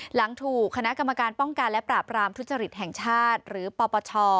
หลังถูกคณะกรรมการป้องกันและปราบรามทุจริตแห่งชาติหรือปปช